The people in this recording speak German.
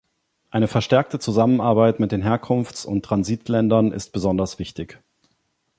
Eine verstärkte Zusammenarbeit mit den Herkunfts- und Transitländern ist besonders wichtig.